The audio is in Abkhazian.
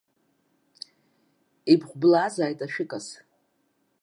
Ибҟәыблазааит ашәыкас!